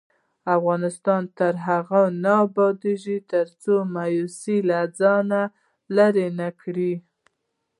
افغانستان تر هغو نه ابادیږي، ترڅو مایوسي له ځانه لیرې نکړو.